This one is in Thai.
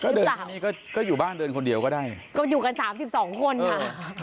ก็เดินทางนี้ก็ก็อยู่บ้านเดินคนเดียวก็ได้ก็อยู่กันสามสิบสองคนค่ะ